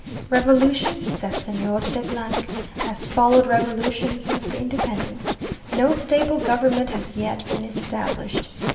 "Revolution," says Señor de , "has followed revolution since the Independence; no stable government has yet been established.